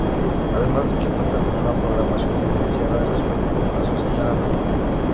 Además de que cuenta con una programación diferenciada respecto a su señal análoga.